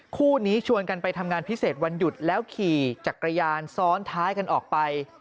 คู่นี้ชวนกันไปทำงานพิเศษวันหยุดแล้วขี่จักรยานซ้อนท้ายกันออกไป